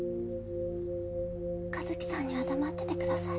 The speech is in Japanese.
和輝さんには黙っててください。